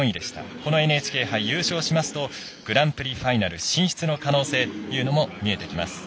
このＮＨＫ杯優勝しますとグランプリファイナル進出の可能性というものも見えてきます。